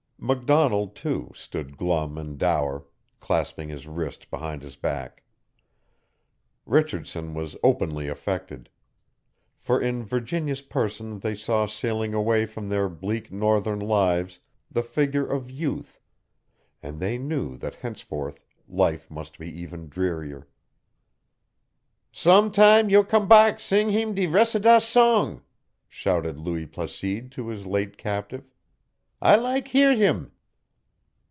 McDonald, too, stood glum and dour, clasping his wrist behind his back. Richardson was openly affected. For in Virginia's person they saw sailing away from their bleak Northern lives the figure of youth, and they knew that henceforth life must be even drearier. "Som' tam' yo' com' back sing heem de res' of dat song!" shouted Louis Placide to his late captive. "I lak' hear heem!"